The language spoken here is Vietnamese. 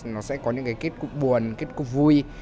nó sẽ có những cái kết cục buồn kết cục vui